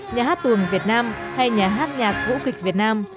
nhà hát tuồng việt nam hay nhà hát nhạc vũ kịch việt nam